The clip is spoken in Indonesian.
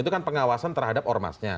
itu kan pengawasan terhadap ormasnya